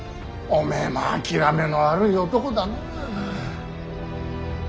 おめえも諦めの悪い男だな。